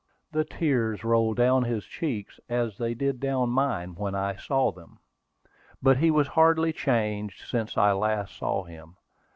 The tears rolled down his cheeks, as they did down mine when I saw them. But he was hardly changed since I last saw him.